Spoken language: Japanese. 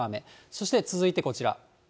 そして続いてこちら。